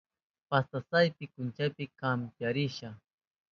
Pastasapa kuchaynin kampiyarishka.